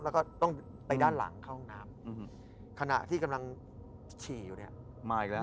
แล้วก็ต้องไปด้านหลังเข้าห้องน้ำขณะที่กำลังฉี่อยู่เนี่ยมาอีกแล้ว